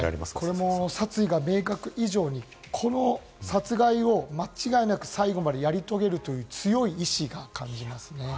これも殺意が明確以上に、この殺害を間違いなく最後までやり遂げるという強い意思が感じられます。